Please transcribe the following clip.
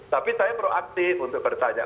tapi saya proaktif untuk bertanya